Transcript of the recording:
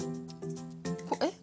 えっ